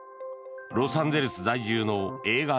ロサンゼルス在住の映画